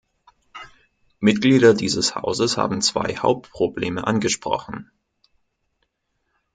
Mitglieder dieses Hauses haben zwei Hauptprobleme angesprochen.